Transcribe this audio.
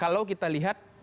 kalau kita lihat